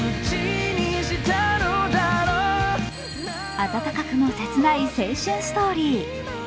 温かくも切ない青春ストーリー。